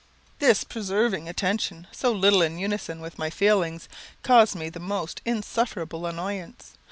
This persevering attention, so little in unison with my feelings, caused me the most insufferable annoyance.